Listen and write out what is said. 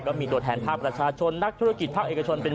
ก็มีตัวแทนภาคประชาชนนักธุรกิจภาคเอกชนเป็น